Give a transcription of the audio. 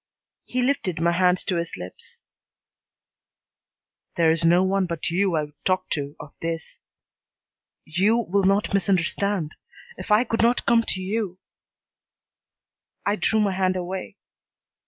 He lifted my hand to his lips. "There is no one but you I would talk to of this. You will not misunderstand. If I could not come to you " I drew my hand away.